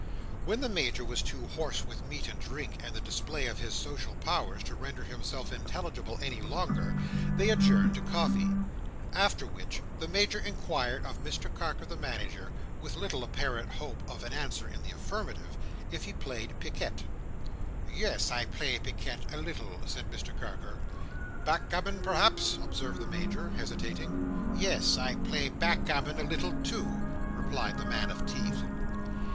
When the Major was too hoarse with meat and drink, and the display of his social powers, to render himself intelligible any longer, they adjourned to coffee. After which, the Major inquired of Mr Carker the Manager, with little apparent hope of an answer in the affirmative, if he played picquet. "Yes, I play picquet a little," said Mr Carker. "Backgammon, perhaps?" observed the Major, hesitating. "Yes, I play backgammon a little too," replied the man of teeth.